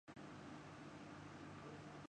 واقعہ یہ ہے کہ ملک کو درپیش بعض مسائل ایسے ہیں۔